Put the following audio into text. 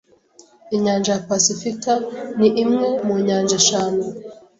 Inyanja ya pasifika ni imwe mu nyanja eshanu.